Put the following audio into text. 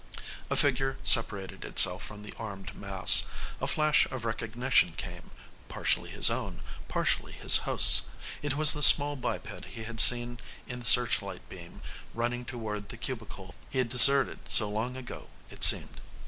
A figure separated itself from the armed mass. A flash of recognition came partially his own, partially his host's. It was the small biped he had seen in the searchlight beam running toward the cubicle he had deserted so long ago it seemed.